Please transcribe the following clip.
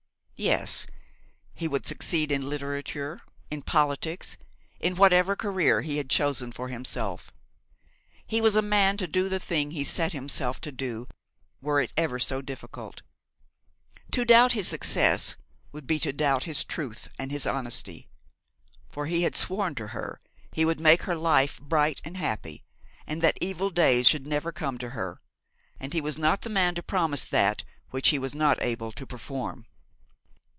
Yes, he would succeed in literature, in politics, in whatever career he had chosen for himself. He was a man to do the thing he set himself to do, were it ever so difficult. To doubt his success would be to doubt his truth and his honesty; for he had sworn to her he would make her life bright and happy, and that evil days should never come to her; and he was not the man to promise that which he was not able to perform.